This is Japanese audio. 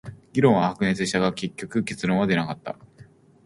議論は白熱したが、結局結論は出なかった。